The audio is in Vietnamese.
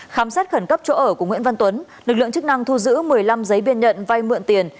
khám xét khẩn cấp chỗ ở của nguyễn văn tuấn lực lượng chức năng thu giữ một mươi năm giấy biên nhận vay mượn tiền